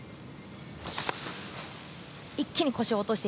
一気に腰を落として。